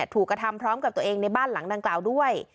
ถูกกระทำพร้อมกับตัวเองในบ้านหลังดังกล่าวด้วย